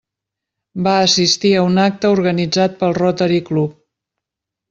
Va assistir a un acte organitzat pel Rotary Club.